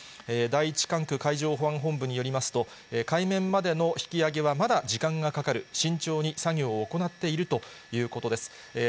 第１管区海上保安本部によりますと、海面までの引き揚げはまだ時間がかかる、慎重に作業を行っているということです。